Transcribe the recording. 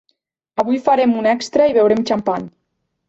Avui farem un extra i beurem xampany.